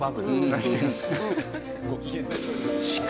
確かに。